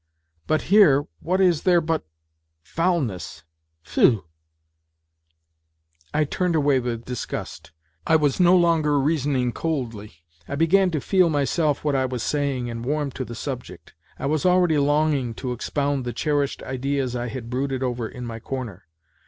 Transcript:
But here what is there but ... foulness. Phew !" I turned away with disgust ; I was no longer reasoning coldly. I began to feel myself what I was saying and wanned to the subject. I was already longing to expound the cherished ideas I had brooded over in my corner.